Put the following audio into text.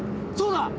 そうだ！